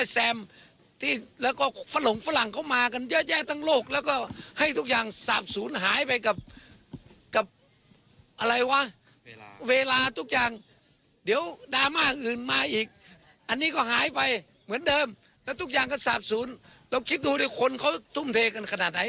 สาบสูญเราคิดดูคนเขาทุ่มเทกันขนาดไหน